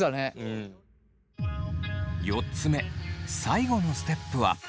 ４つ目最後のステップは。